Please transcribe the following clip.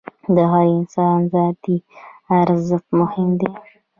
د هر انسان ذاتي ارزښت مهم دی.